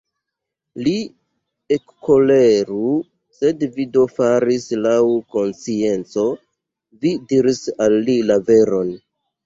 Li ekkoleru, sed vi do faris laŭ konscienco, vi diris al li la veron!